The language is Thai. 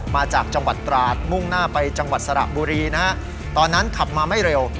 มาจากจังหวัดตราดมุ่งหน้าไปจังหวัดสระบุรีนะฮะตอนนั้นขับมาไม่เร็ว